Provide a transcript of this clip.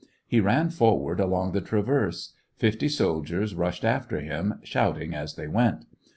He ran forward along the traverse ; fifty soldiers rushed after him, shouting as they went.